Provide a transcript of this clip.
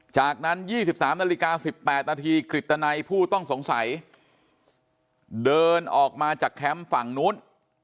จากนั้น๒๓นาฬิกา๑๘นาทีกฤตนัยผู้ต้องสงสัยเดินออกมาจากแคมป์ฝั่งนู้น